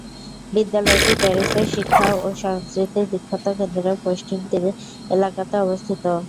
বিদ্যালয়টি প্যারিসের শিক্ষা ও সংস্কৃতির বিখ্যাত কেন্দ্র পশ্চিম তীর এলাকাতে অবস্থিত।